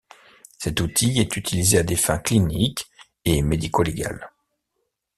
Cet outil est utilisé à des fins cliniques et médico-légales.